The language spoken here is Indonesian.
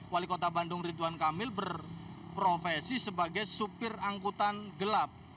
wali kota bandung ridwan kamil berprofesi sebagai supir angkutan gelap